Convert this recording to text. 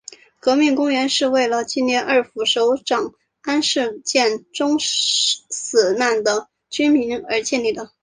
革命公园是为了纪念二虎守长安事件中死难的军民而建立的。